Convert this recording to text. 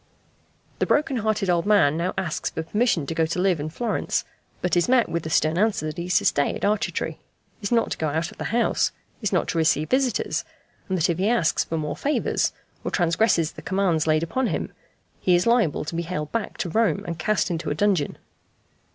The broken hearted old man now asks for permission to go to live in Florence, but is met with the stern answer that he is to stay at Arcetri, is not to go out of the house, is not to receive visitors, and that if he asks for more favours, or transgresses the commands laid upon him, he is liable to be haled back to Rome and cast into a dungeon.